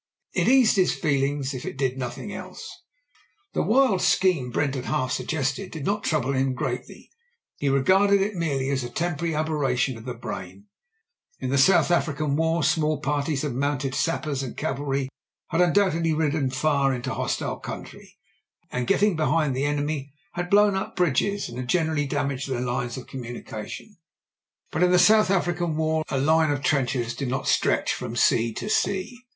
It eased his feelings, if it did nothing else. The wild scheme Brent had half suggested did not trouble him greatly. He regarded it merely as a tem porary aberration of the brain. In the South African war small parties of mounted sappers and cavalry had undoubtedly ridden far into hostile country, and, get ting behind the enemy, had blown up bridges, and l^enerally damaged their lines of communication. But JIM BRENTS V.C 133 in the South African war a line of trenches did not stretch from sea to sea.